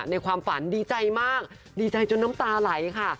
ในความฝันดีใจมากดีใจจนน้ำตาไหลค่ะ